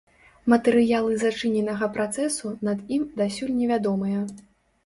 Матэрыялы зачыненага працэсу над ім дасюль не вядомыя.